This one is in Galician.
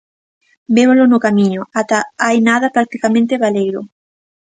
Vémolo no Camiño, ata hai nada practicamente baleiro.